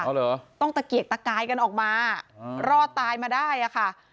เหรอต้องตะเกียกตะกายกันออกมารอดตายมาได้อะค่ะ